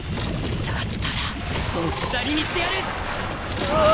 だったら置き去りにしてやる！